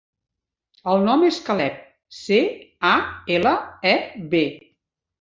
El nom és Caleb: ce, a, ela, e, be.